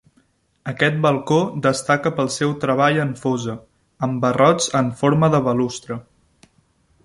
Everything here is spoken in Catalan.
Aquest balcó destaca pel seu treball en fosa, amb barrots en forma de balustre.